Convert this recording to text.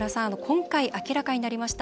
今回、明らかになりました